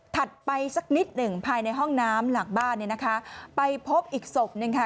ไปสักนิดหนึ่งภายในห้องน้ำหลังบ้านเนี่ยนะคะไปพบอีกศพหนึ่งค่ะ